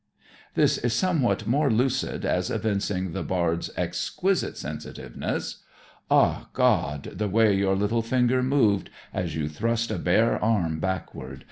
This is somewhat more lucid as evincing the bard's exquisite sensitiveness: Ah, God, the way your little finger moved As you thrust a bare arm backward.